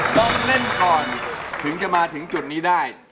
ต้องเล่นก่อนถึงจะมาถึงจุดนี้ได้